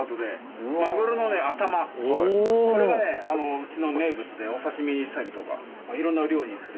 うちの名物でお刺し身にしたりいろんな料理にする。